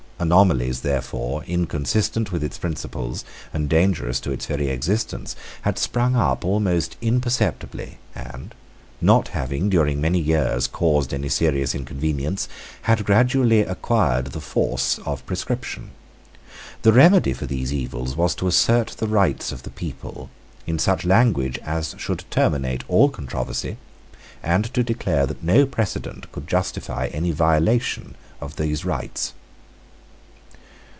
Anomalies, therefore, inconsistent with its principles and dangerous to its very existence, had sprung up almost imperceptibly, and, not having, during many years, caused any serious inconvenience, had gradually acquired the force of prescription. The remedy for these evils was to assert the rights of the people in such language as should terminate all controversy, and to declare that no precedent could justify any violation of those rights.